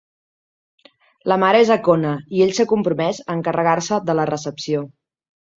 La mare és a Kona i ell s'ha compromès a encarregar-se de la recepció.